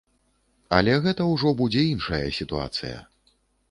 Але гэта ўжо будзе іншая сітуацыя.